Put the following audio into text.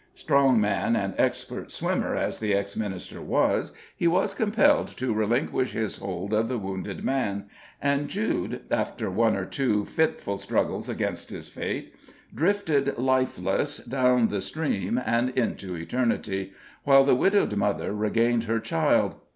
Strong man and expert swimmer as the ex minister was, he was compelled to relinquish his hold of the wounded man; and Jude, after one or two fitful struggles against his fate, drifted lifeless down the stream and into eternity, while the widowed mother regained her child.